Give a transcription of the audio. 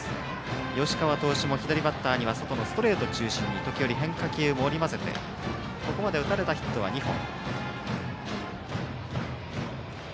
吉川投手も、左バッターには外のストレート中心に時折、変化球も織り交ぜてここまで打たれたヒットは２本。